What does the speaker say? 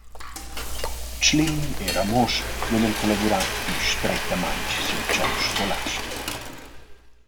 Tschlin e Ramosch vöglian collavurar plü strettamaing sül chomp scolastic.